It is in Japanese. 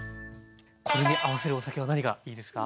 これに合わせるお酒は何がいいですか？